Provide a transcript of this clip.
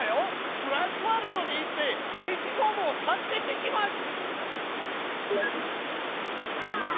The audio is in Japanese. スクラッチワールドに行って消しゴムを助けてきます！